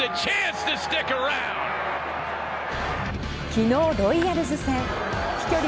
昨日、ロイヤルズ戦飛距離